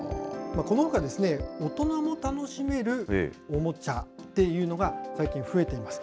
このほか、大人も楽しめるおもちゃというのが最近、増えています。